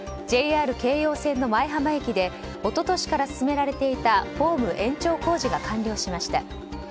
ＪＲ京葉線の舞浜駅で一昨年から進められていたホーム延長工事が完了しました。